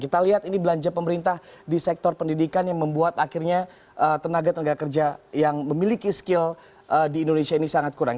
kita lihat ini belanja pemerintah di sektor pendidikan yang membuat akhirnya tenaga tenaga kerja yang memiliki skill di indonesia ini sangat kurang